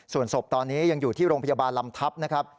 ส่วนศพตอนนี้ยังอยู่ที่โรงพยาบาลลำทัพนะครับ